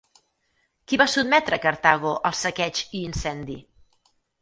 Qui va sotmetre Cartago al saqueig i incendi?